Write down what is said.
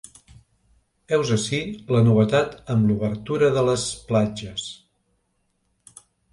Heus ací la novetat amb l’obertura de les platges.